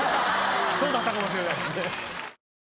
そうだったかもしれないですね。